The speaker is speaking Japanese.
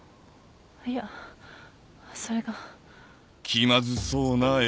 いやそれが。